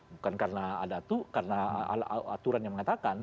bukan karena ada aturan yang mengatakan